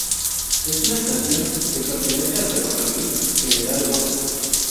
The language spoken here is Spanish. Es una estación que pertenece al Ferrocarril General Roca.